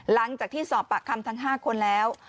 หลังจากที่สอบปากคำทั้ง๕คนแล้ว